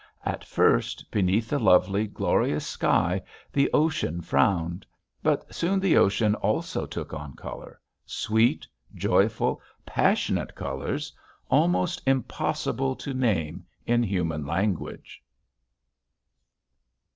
At first beneath the lovely, glorious sky the ocean frowned, but soon the ocean also took on colour sweet, joyful, passionate colours, almost impossible to name in human language.